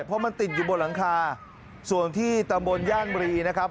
เพราะมันติดอยู่บนหลังคาส่วนที่ตำบลย่านบรีนะครับ